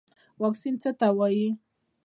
واکسین څه ته وایي